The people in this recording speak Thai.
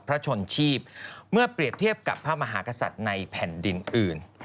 ชนชีพเมื่อเปรียบเทียบกับพระมหากษัตริย์ในแผ่นดินอื่น